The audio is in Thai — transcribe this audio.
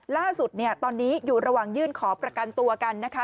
ล่าสุดเนี่ยตอนนี้อยู่ระหว่างยื่นขอประกันตัวกันนะคะ